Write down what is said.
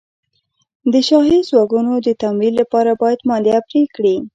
د شاهي ځواکونو د تمویل لپاره باید مالیه پرې کړي.